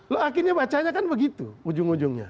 lo akhirnya bacanya kan begitu ujung ujungnya